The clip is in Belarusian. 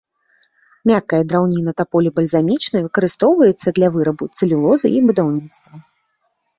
Мяккая драўніна таполі бальзамічнай выкарыстоўваецца для вырабу цэлюлозы і будаўніцтва.